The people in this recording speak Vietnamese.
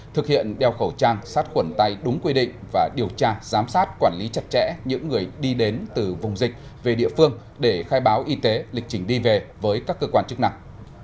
thực hiện đeo khẩu trang sát khuẩn tay đúng quy định và điều tra giám sát quản lý chặt chẽ những người đi đến từ vùng dịch về địa phương để khai báo y tế lịch trình đi về với các cơ quan chức năng